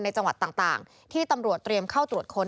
จังหวัดต่างที่ตำรวจเตรียมเข้าตรวจค้น